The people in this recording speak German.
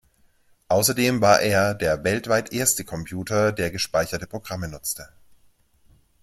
Außerdem war er der weltweit erste Computer, der gespeicherte Programme nutzte.